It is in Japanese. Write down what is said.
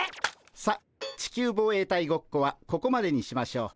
さっ地球防衛隊ごっこはここまでにしましょう。